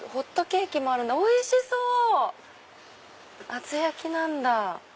厚焼きなんだ。